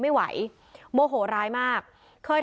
ในอำเภอศรีมหาโพธิ์จังหวัดปลาจีนบุรี